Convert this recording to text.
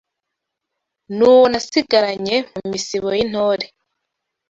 N’uwo nasigaranye mu misibo y’intore